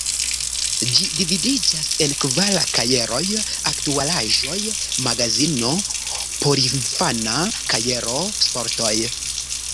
Ĝi dividiĝas en kvar kajeroj: “Aktualaĵoj“, “Magazino“, “Porinfana kajero“, “Sportoj“.